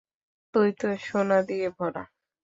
তুই তো সোনা দিয়ে ভরা।